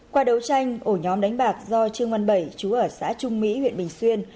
qua đấu tranh ổ nhóm đánh bạc do trương văn bảy chú ở xã trung mỹ huyện bình xuyên